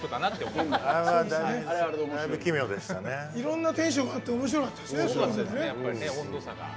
いろんなテンションがあっておもしろかったですね。